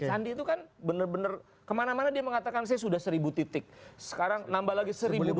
sandi itu kan benar benar kemana mana dia mengatakan saya sudah seribu titik sekarang nambah lagi seribu dua ratus